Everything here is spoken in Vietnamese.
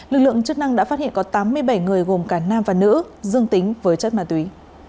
lực lượng chức năng đã phát hiện có tám mươi bảy người gồm cả nam và nữ dương tính với chất ma túy